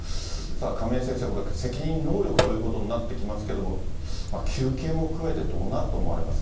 亀井先生、責任能力ということになってきますけども、求刑も含めて、どうなると思われますか？